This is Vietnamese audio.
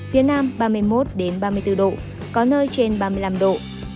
phía nam ba mươi một ba mươi bốn độ có nơi trên ba mươi năm độ